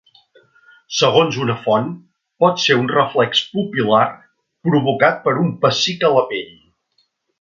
Segons una font, pot ser un reflex pupil·lar provocat per un pessic a la pell.